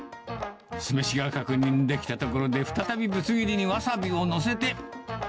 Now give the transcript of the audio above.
酢飯が確認できたところで、再びぶつ切りにわさびを載せて。